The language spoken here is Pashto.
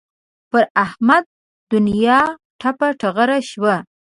پر احمد دونیا ټپه ټغره شوه.